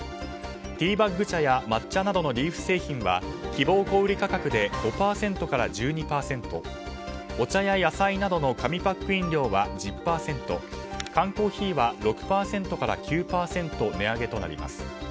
ティーバック茶や抹茶などのリーフ製品は希望小売価格で５％から１２％お茶や野菜などの紙パック飲料は１０％缶コーヒーは６％から９％値上げとなります。